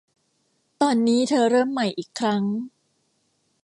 ตอนนี้เธอเริ่มใหม่อีกครั้ง